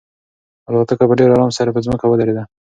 الوتکه په ډېر ارام سره په ځمکه ودرېده.